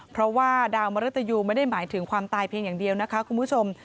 เพราะว่าดาวมริตยูไม่ได้หมายถึงความตายเพียงอย่างเดียวนะคะคุณผู้ชม